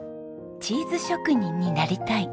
チーズ職人になりたい。